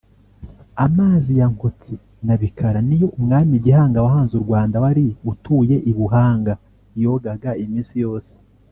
Amazi ya Nkotsi na Bikara niyo umwami Gihanga wahanze u Rwanda wari utuye i Buhanga yogaga iminsi yose